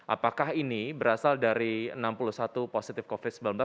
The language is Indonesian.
apakah ini berasal dari enam puluh satu positif covid sembilan belas